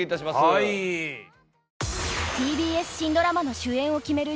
はいＴＢＳ新ドラマの主演を決める